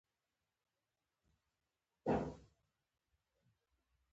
افغانان په احمدشاه بابا باندي ویاړي.